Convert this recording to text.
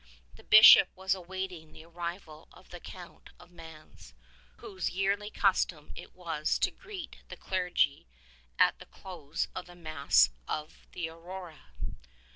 The Bishop was awaiting the arrival of the Count of Mans, whose yearly custom it was to greet the clergy at the close of the Mass of the Aurora.